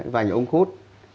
vành ống khuất